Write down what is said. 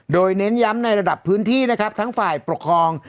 โดยเน้นย้ำในระดับพื้นที่นะครับทั้งฝ่ายปกครอง